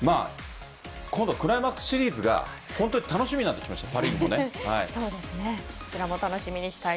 今度クライマックスシリーズが本当に楽しみになってきました。